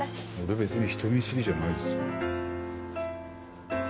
俺別に人見知りじゃないですよ。